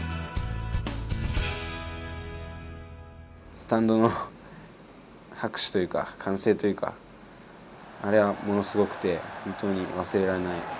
スタンドの拍手というか歓声というかあれはものすごくて本当に忘れられない